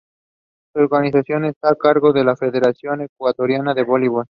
Su organización está a cargo de la Federación Ecuatoriana de Voleibol.